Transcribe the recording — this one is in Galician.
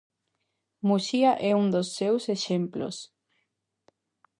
Muxía é un dos seus exemplos.